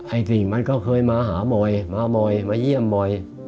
ไอ้ติ่งมันก็เคยมาหาบ่อยมาเยี่ยมบ่อย